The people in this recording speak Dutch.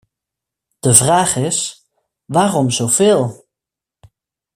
De vraag is: waarom zo veel?